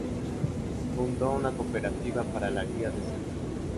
Fundó una cooperativa para la cría de cerdos.